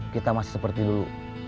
kita masih seperti dulu